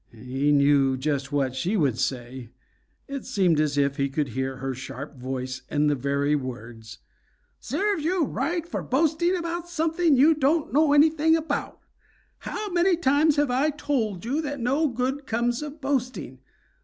He knew just what she would say. It seemed as if he could hear her sharp voice and the very words: "Serves you right for boasting about something you don't know anything about. How many times have I told you that no good comes of boasting?